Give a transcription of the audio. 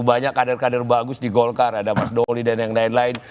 banyak kader kader bagus di golkar ada mas doli dan yang lain lain